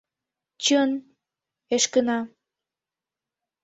Чын, Эшкына.